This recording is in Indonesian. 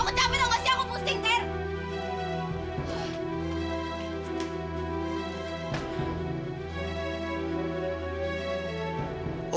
aku capek tau gak sih aku pusing ter